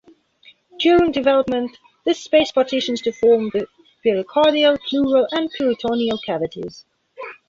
During development this space partitions to form the pericardial, pleural and peritoneal cavities.